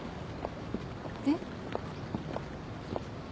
えっ？